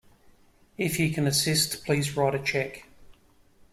If you can assist, please write a cheque.